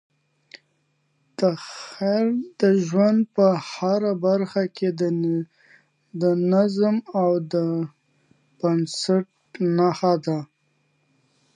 هنر د ژوند په هره برخه کې د نظم او ډیسپلین نښه ده.